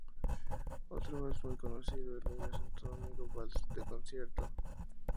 Otro vals muy conocido es "El niño Santo Domingo", vals de concierto.